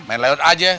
main lewat aja